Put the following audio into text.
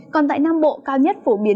còn tại nam bộ cao nhất phổ biến